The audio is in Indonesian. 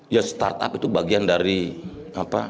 ya startup itu bagian dari apa